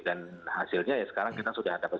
dan hasilnya ya sekarang kita sudah ada peserta